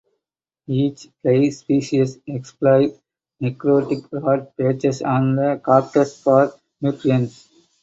Each fly species exploits necrotic rot patches on the cactus for nutrients.